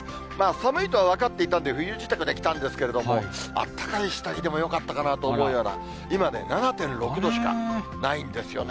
寒いと分かっていたんで、冬支度で来たんですけれども、あったかい下着でもよかったかなと思うような、今ね、７．６度しかないんですよね。